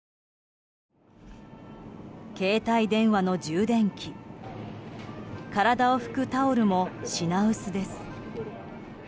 携帯電話の充電器体を拭くタオルも品薄です。